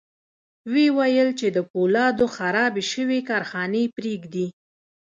ويې ويل چې د پولادو خرابې شوې کارخانې پرېږدي.